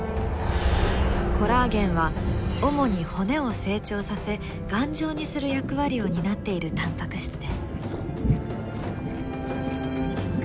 コラーゲンは主に骨を成長させ頑丈にする役割を担っているタンパク質です。